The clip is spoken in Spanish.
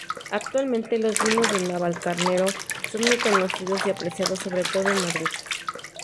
Actualmente los vinos de Navalcarnero son muy conocidos y apreciados sobre todo en Madrid.